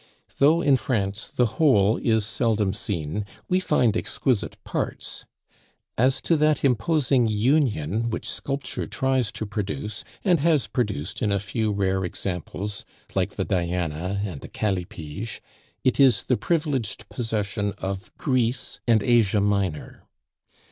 Though in France the whole is seldom seen, we find exquisite parts. As to that imposing union which sculpture tries to produce, and has produced in a few rare examples like the Diana and the Callipyge, it is the privileged possession of Greece and Asia Minor.